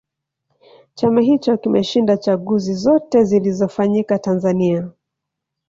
chama hicho kimeshinda chaguzi zote zilizofanyika tanzania